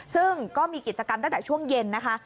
ซึ่งก็มีกิจกรรมตั้งแต่ช่วงเย็นนะคะ